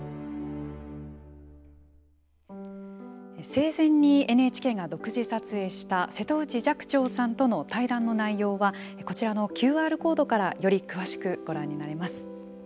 生前にＮＨＫが独自撮影した瀬戸内寂聴さんとの対談の内容はこちらのＱＲコードからより詳しくご覧になれます。